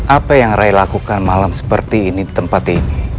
apa yang rai lakukan malam seperti ini di tempat ini